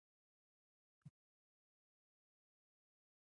د افغانستان جلکو د افغانستان د کلتوري میراث برخه ده.